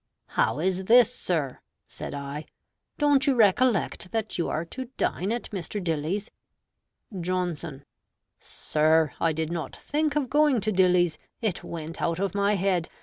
"How is this, sir?" (said I). "Don't you recollect that you are to dine at Mr. Dilly's?" Johnson Sir, I did not think of going to Dilly's: it went out of my head.